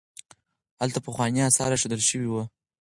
هلته پخواني اثار ایښودل شوي وو.